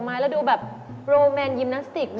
แล้วดูแบบโรแมนต์ยิมนาสติกมาก